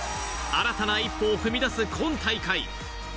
新たな一歩を踏み出す今大会。